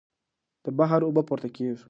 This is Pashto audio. د بحر اوبه پورته کېږي.